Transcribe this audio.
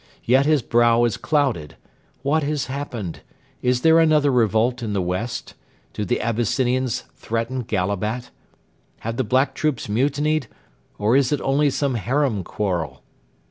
Yet his brow is clouded. What has happened? Is there another revolt in the west? Do the Abyssinians threaten Gallabat? Have the black troops mutinied; or is it only some harem quarrel?